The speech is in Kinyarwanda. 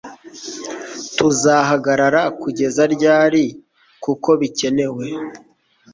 Tuzahagarara kugeza ryari kuko bikenewe